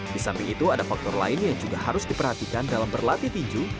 di samping itu ada faktor lain yang juga harus diperhatikan dalam berlatih tinju